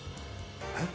えっ。